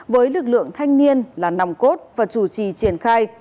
với lực lượng thanh niên là nòng cốt và chủ trì triển khai